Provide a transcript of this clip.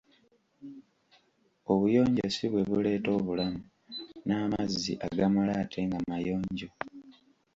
Obuyonjo sibwebuleeta obulamu, n'amazzi agamala ate nga mayonjo.